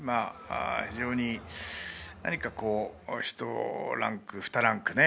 非常に何か、１ランク、２ランク